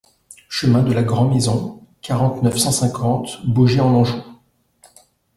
Chemin de la Grand-Maison, quarante-neuf, cent cinquante Baugé-en-Anjou